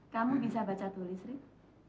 kamu bisa baca tulis prip